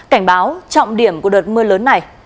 cảnh báo trọng điểm của đợt mưa lớn này